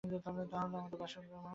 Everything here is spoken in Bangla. তা হলে আমার বাসার বামুন কী দোষ করলে?